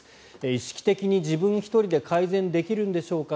意識的に自分１人で改善できるのでしょうか。